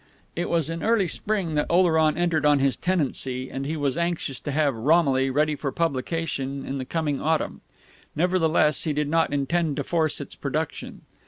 It was in early spring that Oleron entered on his tenancy, and he was anxious to have Romilly ready for publication in the coming autumn. Nevertheless, he did not intend to force its production.